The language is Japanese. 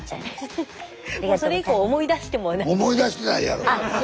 それ以降思い出してもない。